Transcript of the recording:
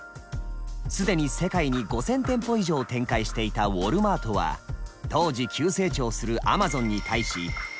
既に世界に５，０００店舗以上展開していたウォルマートは当時急成長するアマゾンに対し大きな危機感を覚え